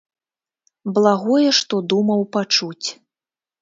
Благое што думаў пачуць.